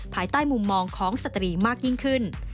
ภายใต้มุมมองของสตรีมากยิ่งขึ้น